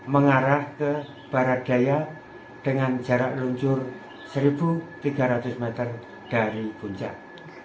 mengarah ke barat daya dengan jarak luncur satu tiga ratus meter dari puncak